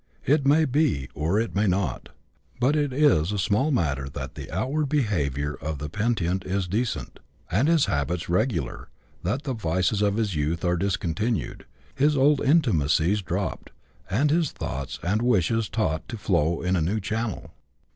It may be, or it may not. But is it a small matter that the outward behaviour of the penitent is decent, and his habits regular, that the vices of his youth are discontinued, his old intimacies dropped, and his thoughts and wishes taught to flow in a new channel